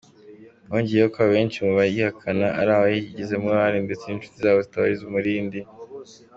Yongeyeho ko abenshi mu bayihakana ari abayigizemo uruhare ndetse n’inshuti zabo zibatiza umurindi.